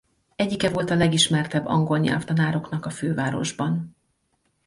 Egyike volt a legismertebb angol nyelvtanároknak a fővárosban.